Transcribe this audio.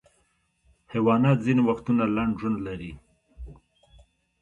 حیوانات ځینې وختونه لنډ ژوند لري.